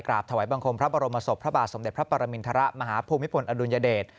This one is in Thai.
ถวายบังคมพระบรมศพพระบาทสมเด็จพระปรมินทรมาฮภูมิพลอดุลยเดช